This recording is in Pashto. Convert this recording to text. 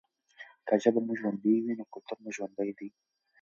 که ژبه مو ژوندۍ وي نو کلتور مو ژوندی دی.